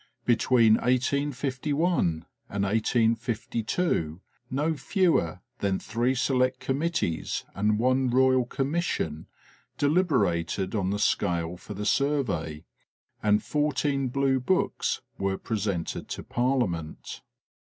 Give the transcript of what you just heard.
Between 1851 and 1852 no fewer than three select committees and one royal commission deliberated on the scale for the survey, and fourteen blue books were presented to Parliament.